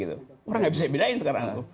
orang nggak bisa bedain sekarang